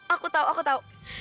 aku tau aku tau